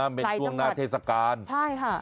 ถ้าเป็นตรงนาธิสกาลใช่ค่ะ